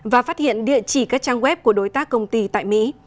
và phát hiện địa chỉ các trang web của đối tác công ty tại mỹ